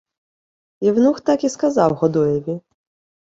Євнух так і сказав Годоєві: